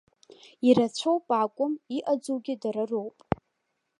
Ирацәоуп акәым, иҟаӡоугьы дара роуп.